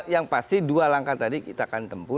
yang pasti dua langkah tadi kita akan tempuh